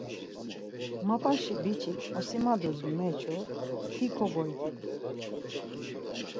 Mapaşi biç̌ik osimadus meçu, ti kogyoǩidu.